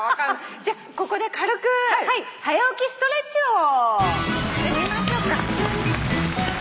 じゃここで軽く「はや起きストレッチ」をやりましょうか。